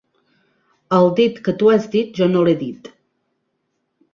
El dit que tu has dit, jo no l’he dit.